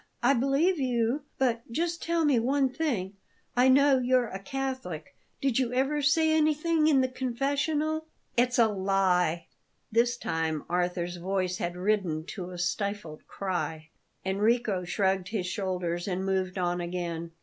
"I believe you; but just tell me one thing. I know you're a Catholic; did you ever say anything in the confessional " "It's a lie!" This time Arthur's voice had risen to a stifled cry. Enrico shrugged his shoulders and moved on again.